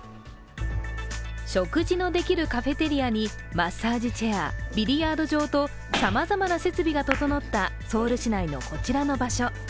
食事のできるカフェテリアにマッサージチェア、ビリヤード場と、さまざまな設備が整ったソウル市内のこちらの場所。